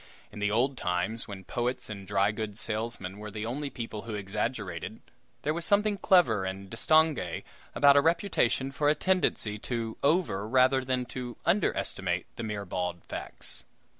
In the old times, when poets and dry goods salesmen were the only people who exaggerated, there was something clever and distingue about a reputation for "a tendency to over, rather than to under estimate the mere bald facts."